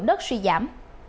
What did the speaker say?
đất suy giảm